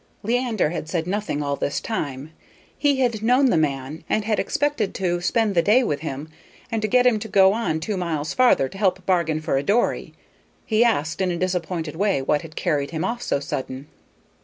Leander had said nothing all this time. He had known the man, and had expected to spend the day with him and to get him to go on two miles farther to help bargain for a dory. He asked, in a disappointed way, what had carried him off so sudden.